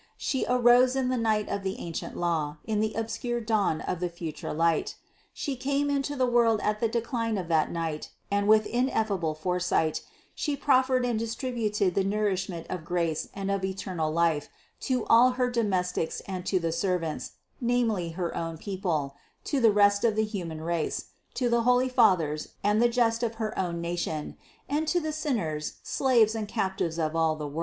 She arose in the night of the an cient Law, in the obscure dawn of the future light : She came into the world at the decline of that night and with ineffable foresight She proffered and distributed the nourishment of grace and of eternal life to all her do mestics and to the servants, namely her own people, to 596 CITY OF GOD the rest of the human race, to the holy Fathers and the just of her own nation, and to the sinners, slaves and captives of all the world.